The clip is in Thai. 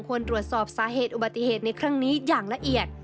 ควรตรวจสอบสาเหตุอุบัติเหตุในครั้งนี้อย่างละเอียด